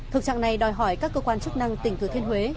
thực trạng này đòi hỏi các cơ quan chức năng tỉnh thừa thiên huế